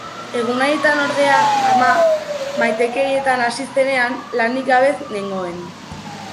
Egun haietan ordea, ama maitakerietan hasi zenean, lanik gabe nengoen.